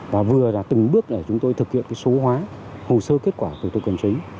và vừa là từng bước để chúng tôi thực hiện số hóa hồ sơ kết quả thủ tục hành chính